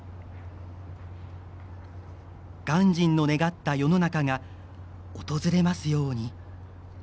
鑑真の願った世の中が訪れますように。